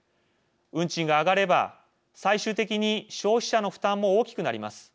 運賃が上がれば最終的に消費者の負担も大きくなります。